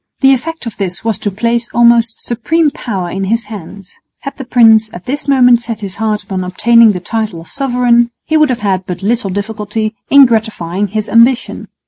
The effect of this was to place almost supreme power in his hands. Had the prince at this moment set his heart upon obtaining the title of sovereign, he would have had but little difficulty in gratifying his ambition.